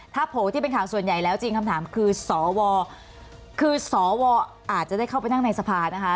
ถ้าโผล่ที่เป็นข่าวส่วนใหญ่แล้วจริงคำถามคือสวคือสวอาจจะได้เข้าไปนั่งในสภานะคะ